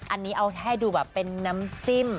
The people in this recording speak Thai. อันนี้เอาให้ดูแบบเป็นน้ำจิ้ม